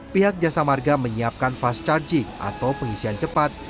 pihak jasa marga menyiapkan fast charging atau pengisian cepat